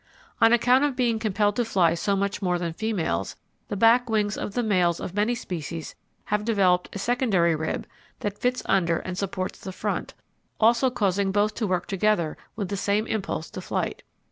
On account of being compelled to fly so much more than the females, the back wings of the males of many species have developed a secondary rib that fits under and supports the front, also causing both to work together with the same impulse to flight.